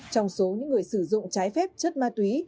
trong số những người sử dụng trái phép chất ma túy